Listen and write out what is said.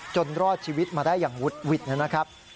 รอดชีวิตมาได้อย่างวุดหวิดนะครับ